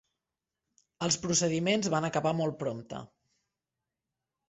Els procediments van acabar molt prompte.